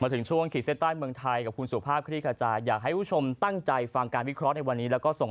ถึงช่วงขีดเส้นใต้เมืองไทยกับคุณสุภาพคลี่ขจายอยากให้ผู้ชมตั้งใจฟังการวิเคราะห์ในวันนี้แล้วก็ส่ง